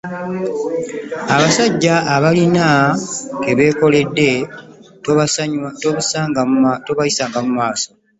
Abasajja abalina ke beekoledde tobayisangamu maaso.